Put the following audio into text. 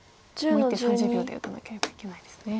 もう１手３０秒で打たなければいけないですね。